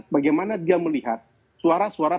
bagaimana dia melihat suara suara